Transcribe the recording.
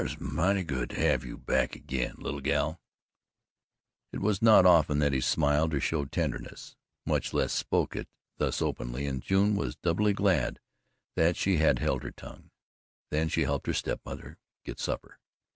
"Hit's mighty good to have you back agin, little gal." It was not often that he smiled or showed tenderness, much less spoke it thus openly, and June was doubly glad that she had held her tongue. Then she helped her step mother get supper.